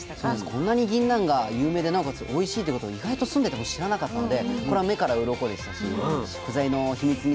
こんなにぎんなんが有名でなおかつおいしいってこと意外と住んでても知らなかったのでこれは目からうろこでしたし食材の秘密に迫れて楽しかったですよね。